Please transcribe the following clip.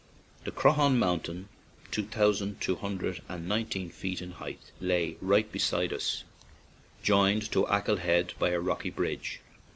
The Croaghaun Mountain, two thousand two hundred and nineteen feet in height, lay right beside us, joined to Achill Head by a rocky bridge.